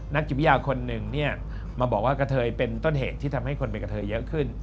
นักจิบยาวคนหนึ่งมาบอกว่ากะเถยเป็นต้นเหตุที่ทำให้คนไปกะเถยเยอะขึ้น